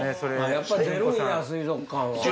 やっぱ出るんや水族館は。